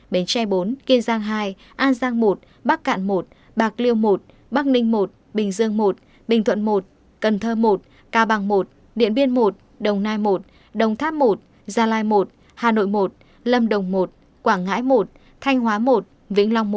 bến tre bốn kiên giang hai an giang một bắc cạn một bạc liêu một bắc ninh một bình dương một bình thuận một cần thơ một cao bằng một điện biên một đồng nai một đồng tháp một gia lai một hà nội một lâm đồng một quảng ngãi một thanh hóa một vĩnh long một